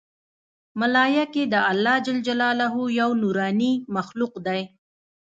ملایکې د الله ج یو نورانې مخلوق دی